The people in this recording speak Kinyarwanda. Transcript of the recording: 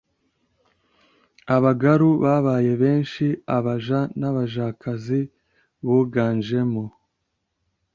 abagaru babaye benshi abaja nabajakazi buganjemo